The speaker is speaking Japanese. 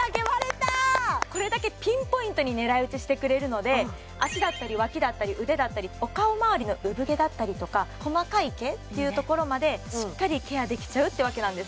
これだけピンポイントに狙いうちしてくれるので脚だったりワキだったり腕だったりお顔まわりのうぶ毛だったりとか細かい毛っていうところまでしっかりケアできちゃうってわけなんです